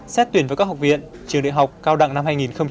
xét tuyển với các học viện trường đại học cao đẳng năm hai nghìn một mươi bảy